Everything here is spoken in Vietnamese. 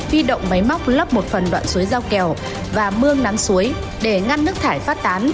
vi động máy móc lấp một phần đoạn suối rau kèo và mương nắm suối để ngăn nước thải phát tán